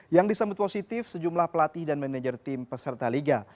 yang disambut positif sejumlah pelatih dan manajer tim peserta liga